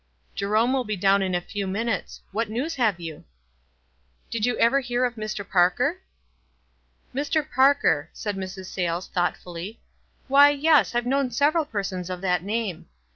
"Jerome will be down in a few minutes. What news have you ?" "Did you ever hear of Mr. Parker?" " Mr. Parker," said Mrs. Sayles thoughtfully. "Why, yes, I have known several persons of that name.